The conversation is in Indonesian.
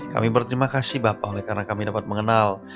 kami berterima kasih bapak oleh karena kami dapat mengenal